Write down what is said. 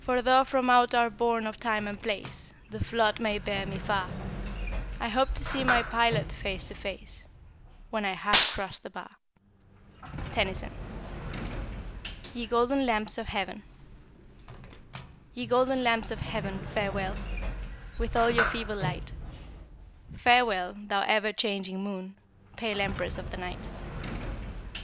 For tho' from out our bourne of Time and Place The flood may bear me far, I hope to see my Pilot face to face When I have cros't the bar. Tennyson. YE GOLDEN LAMPS OF HEAVEN. Ye golden lamps of heaven, farewell, With all your feeble light; Farewell, thou ever changing Moon, Pale empress of the Night.